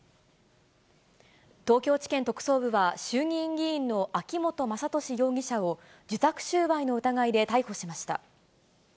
東京地検特捜部は、衆議院議員の秋本真利容疑者を受託収賄の疑いで逮捕しました。